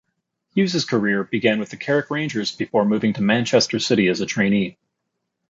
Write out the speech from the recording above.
Hughes' career began with Carrick Rangers, before moving to Manchester City as a trainee.